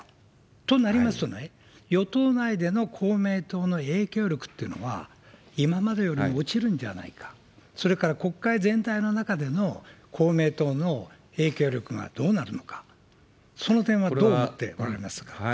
となりますとね、与党内での公明党の影響力っていうのは、今までより落ちるんじゃないか、それから国会全体の中での公明党の影響力がどうなるのか、その点はどう思っておられますか？